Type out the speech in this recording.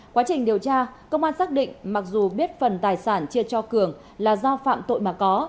quá trình điều tra công an xác định mặc dù biết phần tài sản chia cho cường là do phạm tội mà có